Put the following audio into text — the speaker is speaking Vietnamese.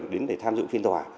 đến để tham dự phiên tòa